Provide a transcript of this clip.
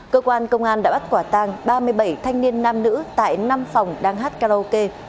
cơ quan công an đã bắt quả tang ba mươi bảy thanh niên nam nữ tại năm phòng đang hát karaoke